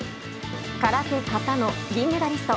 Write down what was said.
空手・形の銀メダリスト